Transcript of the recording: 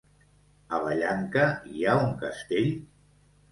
A Vallanca hi ha un castell?